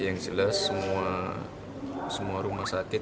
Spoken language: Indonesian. yang jelas semua rumah sakit